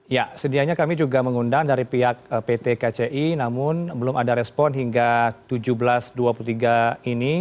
ya sedianya kami juga mengundang dari pihak pt kci namun belum ada respon hingga tujuh belas dua puluh tiga ini